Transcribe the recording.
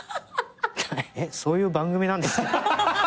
えっそういう番組なんです。